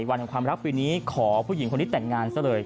วันของความรักปีนี้ขอผู้หญิงคนนี้แต่งงานซะเลย